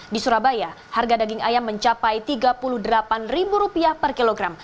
di surabaya harga daging ayam mencapai rp tiga puluh delapan per kilogram